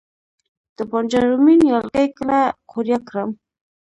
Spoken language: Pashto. د بانجان رومي نیالګي کله قوریه کړم؟